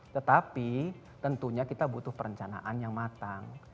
tetapi tentunya kita butuh perencanaan yang matang